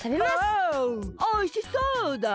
オおいしそうだ！